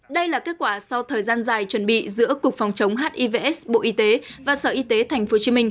đây là kết quả sau thời gian dài chuẩn bị giữa cục phòng chống hivs bộ y tế và sở y tế tp hcm